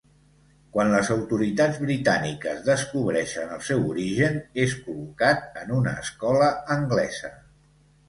Quan les autoritats britàniques descobreixen el seu origen, és col·locat en una escola anglesa.